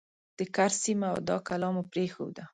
د کرز سیمه او دا کلا مو پرېښوده.